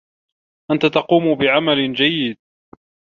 أنت تقوم بعمل جيد.